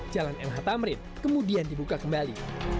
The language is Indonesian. jalan mh tamrin kemudian dibuka kembali